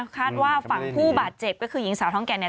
คาดว่าฝั่งผู้บาดเจ็บก็คือหญิงสาวท้องแก่เนี่ย